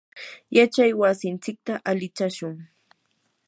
yachay wasinchikta alichashun.